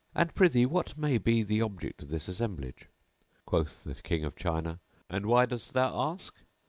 And prithee what may be the object of this assemblage?" Quoth the King of China, "And why dost thou ask?"